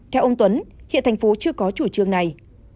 theo ông tuấn hiện thành phố chưa có chủ trương này